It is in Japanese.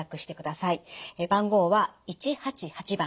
番号は「１８８」番。